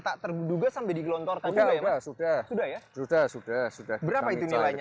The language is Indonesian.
tak terduga sampai dikelontorkan sudah sudah sudah sudah sudah sudah sudah berapa itu nilainya